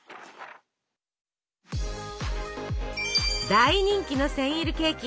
大人気のセンイルケーキ。